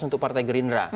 untuk partai gerindra